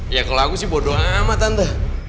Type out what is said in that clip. ya kalau aku sih bodo amat tante